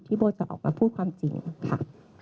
โบจะออกมาพูดความจริงค่ะ